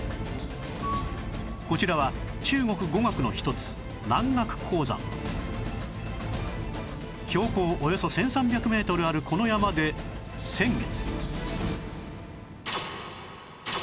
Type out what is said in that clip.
こちらは標高およそ１３００メートルあるこの山で先月